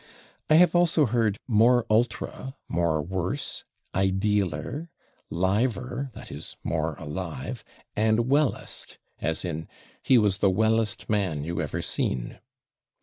I have also heard /more ultra/, /more worse/, /idealer/, /liver/ (that is, /more alive/), and /wellest/, as in "he was the /wellest/ man you ever seen."